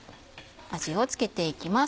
味を付けていきます。